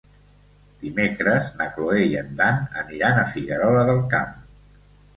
Dimecres na Cloè i en Dan aniran a Figuerola del Camp.